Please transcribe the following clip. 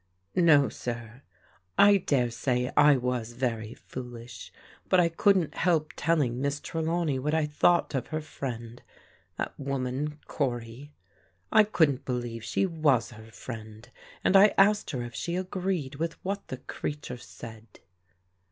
" No, sir. I dare say I was very foolish, but I couldn't help telling Miss Trelawney what I thought of her friend, — that woman Cory. I couldn't believe she was her friend, and I asked her if she agreed with what the crea ture said."